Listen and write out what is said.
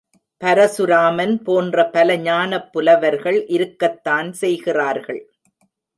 பரசுராமன் போன்ற பல ஞானப்புலவர்கள் இருக்கத்தான் செய்கிறார்கள்.